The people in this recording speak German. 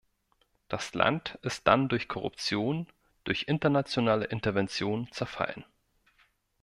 Das Land ist dann durch Korruption, durch internationale Intervention zerfallen.